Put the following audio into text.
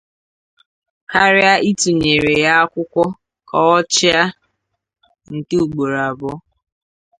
karịa ịtụnyere ya akwụkwọ ka ọ chịa nke ugboro abụọ.